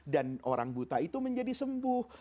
dan orang buta itu menjadi sembuh